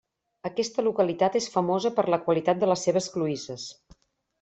Aquesta localitat és famosa per la qualitat de les seves cloïsses.